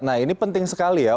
nah ini penting sekali ya